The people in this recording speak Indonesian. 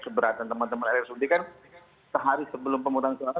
keberatan teman teman rsud kan sehari sebelum pemutusan suara